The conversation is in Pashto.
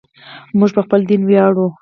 موږ په خپل دین ویاړو.